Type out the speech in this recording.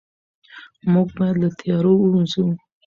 موږ باید له تیارې ووځو.